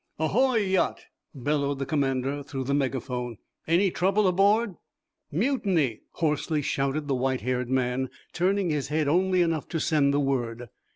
"Ahoy, yacht!" bellowed the commander, through the megaphone. "Any trouble aboard?" "Mutiny!" hoarsely shouted the white haired man, turning his head only enough to send the word.